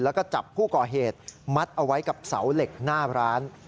แล้วก็จับผู้ก่อเหตุมัดเอาไว้กับเสาเหล็กหน้าร้าน